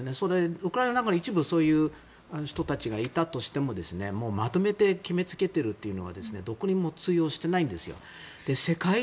ウクライナの中に一部そういう人たちがいたとしてももう、まとめて決めつけているというのはどこにも通用してないんですよ。